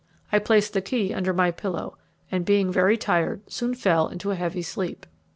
I placed the key under my pillow, and, being very tired, soon fell into a heavy sleep.